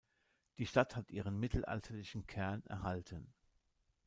Die Stadt hat ihren mittelalterlichen Kern erhalten.